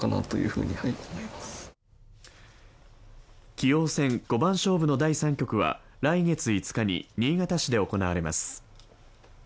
棋王戦五番勝負の第３局は来月５日に新潟市で行われます。